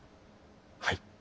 はい。